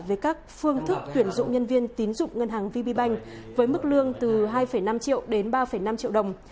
với các phương thức tuyển dụng nhân viên tín dụng ngân hàng vb bank với mức lương từ hai năm triệu đến ba năm triệu đồng